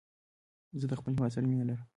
زه د خپل هېواد سره مینه لرم